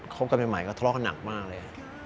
บกันใหม่ก็ทะเลาะกันหนักมากเลย